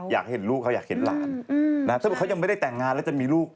อยากเห็นลูกเขาอยากเห็นหลานถ้าเกิดเขายังไม่ได้แต่งงานแล้วจะมีลูก